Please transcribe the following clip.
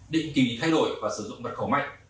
định kỳ thay đổi và sử dụng mật khẩu mạnh